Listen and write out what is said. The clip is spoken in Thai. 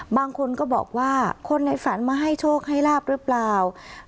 บางคนก็บอกว่าคนในฝันมาให้โชคให้ลาบหรือเปล่า